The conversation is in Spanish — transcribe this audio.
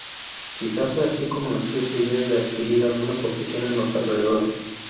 Quizá fue así como nació su idea de adquirir alguna posesión en los alrededores.